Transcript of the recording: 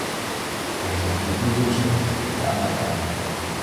Er is natuurlijk een doelstelling: de uitbreiding.